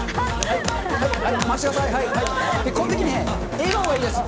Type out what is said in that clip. このときね、笑顔がいいです。